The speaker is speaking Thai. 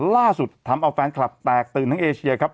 ล่าสุดทำเอาแฟนคลับแตกตื่นทั้งเอเชียครับ